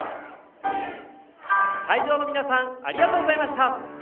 会場の皆さんありがとうございました。